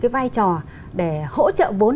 cái vai trò để hỗ trợ vốn